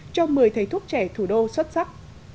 cho một mươi thầy thuốc trẻ thủ đô xuất sắc